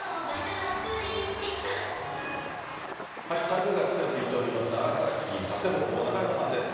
台風が近づいております、長崎・佐世保、中山さんです。